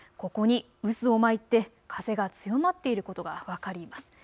ここに渦を巻いて風が強まっていることが分かります。